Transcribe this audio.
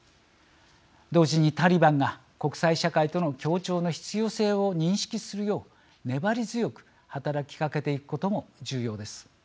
同時にタリバンが国際社会との協調の必要性を認識するよう粘り強く働きかけていくことも重要です。